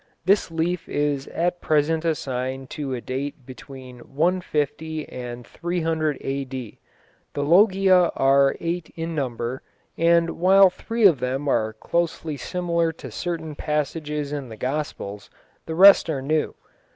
This leaf is at present assigned to a date between 150 and 300 A.D. The Logia are eight in number, and while three of them are closely similar to certain passages in the Gospels, the rest are new.